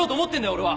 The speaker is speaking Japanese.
俺は！